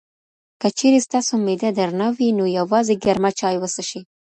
که چېرې ستاسو معده درنه وي، نو یوازې ګرمه چای وڅښئ.